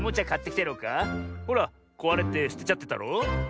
ほらこわれてすてちゃってたろ。